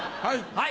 はい。